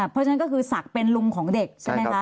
เพราะฉะนั้นก็คือศักดิ์เป็นลุงของเด็กใช่ไหมคะ